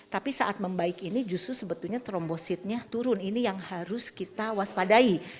tapi saat membaik ini justru sebetulnya trombositnya turun ini yang harus kita waspadai